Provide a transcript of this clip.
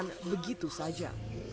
dan tidak akan begitu saja